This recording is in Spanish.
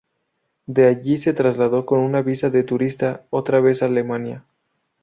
De allí se trasladó con una visa de turista otra vez a Alemania.